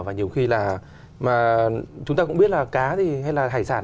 và nhiều khi là mà chúng ta cũng biết là cá thì hay là hải sản